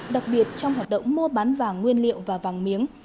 đặc biệt trong hoạt động mua bán vàng nguyên liệu và vàng miếng